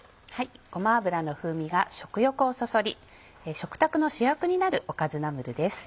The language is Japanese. ごま油の風味が食欲をそそり食卓の主役になるおかずナムルです。